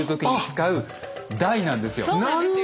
そうなんですよ。